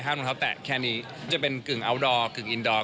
รองเท้าแตะแค่นี้จะเป็นกึ่งอัลดอร์กึ่งอินดอร์